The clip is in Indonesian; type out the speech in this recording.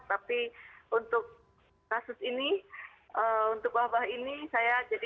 tapi untuk kasus ini untuk wabah ini saya jadi